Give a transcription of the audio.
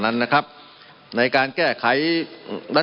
มันมีมาต่อเนื่องมีเหตุการณ์ที่ไม่เคยเกิดขึ้น